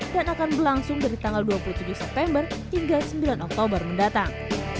dan akan berlangsung dari tanggal dua puluh tujuh september hingga sembilan oktober mendatang